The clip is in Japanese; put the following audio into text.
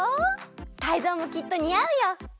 タイゾウもきっとにあうよ。